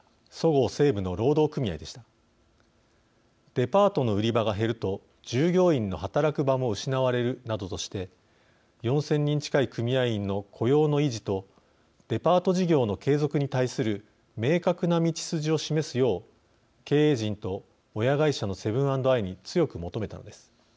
デパートの売り場が減ると従業員の働く場も失われるなどとして４，０００人近い組合員の雇用の維持とデパート事業の継続に対する明確な道筋を示すよう経営陣と親会社のセブン＆アイに強く求めたのです。